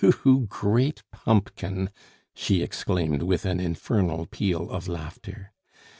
"You great pumpkin!" she exclaimed, with an infernal peal of laughter.